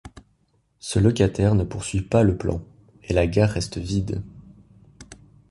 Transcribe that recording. Ce locataire ne poursuit pas le plan, et la gare reste vide.